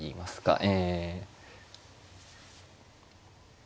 ええ。